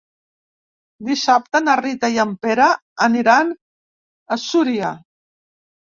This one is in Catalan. Dissabte na Rita i en Pere aniran a Súria.